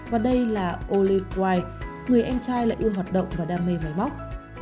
và đây là olive white người em trai lại ưa hoạt động và đam mê máy móc